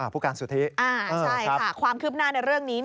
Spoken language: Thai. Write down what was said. ผู้การสุธิใช่ค่ะความคืบหน้าในเรื่องนี้